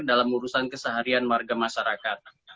dalam urusan keseharian warga masyarakat